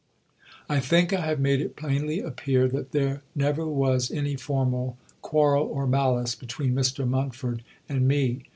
I think I have made it plainly appear that there never was any formal quarrel or malice between Mr Montford and me.